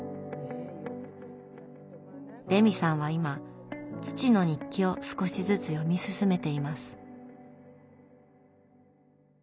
レミさんは今父の日記を少しずつ読み進めています。